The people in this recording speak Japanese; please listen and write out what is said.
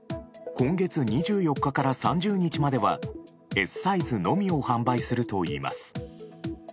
今月２４日から３０日まではＳサイズのみを販売するといいます。